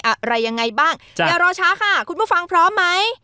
อะไรยังไงบ้างอย่ารอช้าค่ะคุณผู้ฟังพร้อมไหม